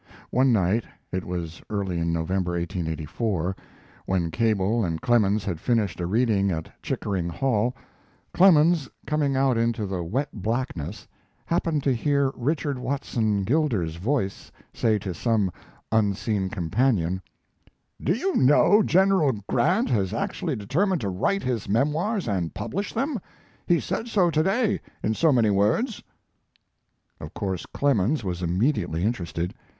One night (it was early in November, 1884), when Cable and Clemens had finished a reading at Chickering Hall, Clemens, coming out into the wet blackness, happened to hear Richard Watson Gilder's voice say to some unseen companion: "Do you know General Grant has actually determined to write his memoirs and publish them. He has said so to day, in so many words." Of course Clemens was immediately interested.